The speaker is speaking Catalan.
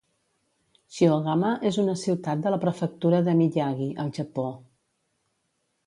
Shiogama és una ciutat de la prefectura de Miyagi, al Japó.